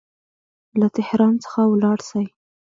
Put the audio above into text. له تهران څخه ولاړ سي.